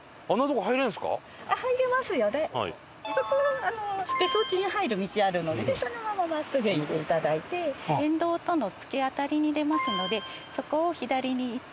えっ？あそこの別荘地に入る道あるのでそのまま真っすぐ行っていただいて県道との突き当たりに出ますのでそこを左に行っていただいて。